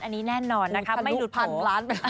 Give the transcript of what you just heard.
อันนี้แน่นอนนะครับไม่หลุดโผล่